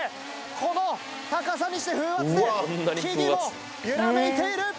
この高さにして風圧で木々も揺らめいている。